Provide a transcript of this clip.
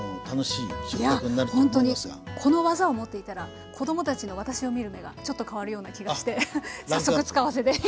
いやほんとにこの技を持っていたら子どもたちの私を見る目がちょっと変わるような気がしてあっランクアップ。